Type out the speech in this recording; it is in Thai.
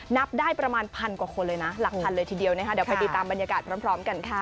นับได้ประมาณพันกว่าคนเลยนะหลักพันเลยทีเดียวนะคะเดี๋ยวไปติดตามบรรยากาศพร้อมกันค่ะ